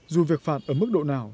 dù việc phạt ở mức độ nào